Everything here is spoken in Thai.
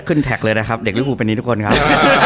แท็กเลยนะครับเด็กลิฟูเป็นนี้ทุกคนครับ